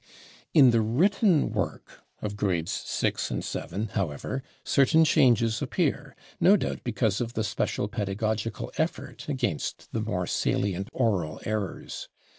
In the written work of grades VI and VII, however, certain changes appear, no doubt because of the special pedagogical effort against the more salient oral errors.